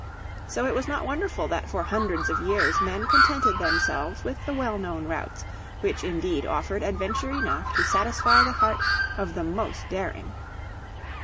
So it was not wonderful that for hundreds of years men contented themselves with the well known routes which indeed offered adventure enough to satisfy the heart of the most daring.